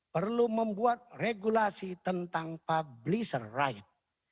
perlu membuat regulasi tentang publisher right